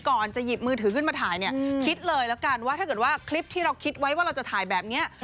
ก่อนจะหยิบมือถือขึ้นมาถ่ายเนี่ยคิดเลยแล้วกันว่าถ้าเกิดว่าคลิปที่เราคิดไว้ว่าเราจะถ่ายแบบนี้